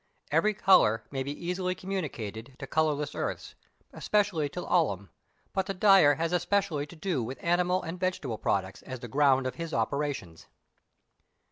Every colour may be easily communicated to colourless earths, especially to alum: but the dyer has especially to do with animal and vegetable products as the ground of his operations.